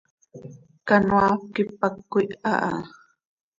Canoaa quipac cöquiha ha.